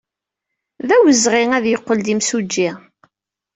D awezɣi ad yeqqel d imsujji.